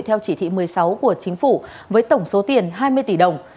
theo chỉ thị một mươi sáu của chính phủ với tổng số tiền hai mươi tỷ đồng